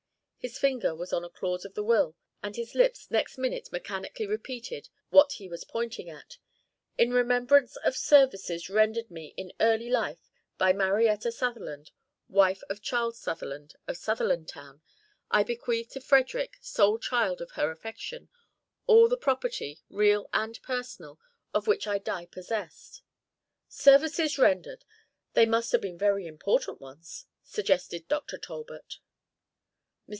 His finger was on a clause of the will and his lips next minute mechanically repeated what he was pointing at: "'In remembrance of services rendered me in early life by Marietta Sutherland, wife of Charles Sutherland of Sutherlandtown, I bequeath to Frederick, sole child of her affection, all the property, real and personal, of which I die possessed.' Services rendered! They must have been very important ones," suggested Dr. Talbot. Mr.